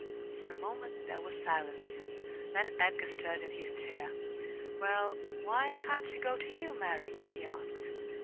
For a moment there was silence; then Edgar stirrad in his chair. "Well, why can't she go to you, Mary?" he asked.